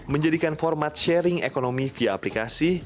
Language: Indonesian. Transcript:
menjadikan format sharing ekonomi via aplikasi